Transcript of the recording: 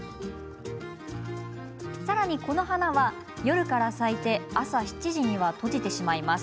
さらに、この花は夜から咲き朝７時には閉じてしまいます。